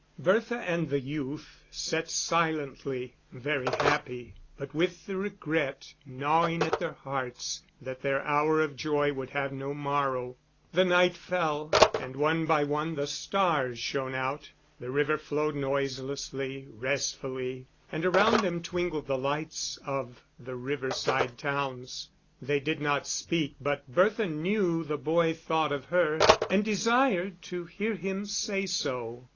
Bertha and the youth sat silently, very happy, but with the regret gnawing at their hearts that their hour of joy would have no morrow. The night fell, and one by one the stars shone out. The river flowed noiselessly, restfully; and around them twinkled the lights of the riverside towns. They did not speak, but Bertha knew the boy thought of her, and desired to hear him say so.